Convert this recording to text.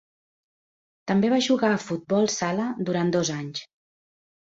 També va jugar a futbol sala durant dos anys.